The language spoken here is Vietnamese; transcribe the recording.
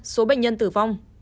ba số bệnh nhân tử vong